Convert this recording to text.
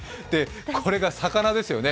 これが魚ですよね。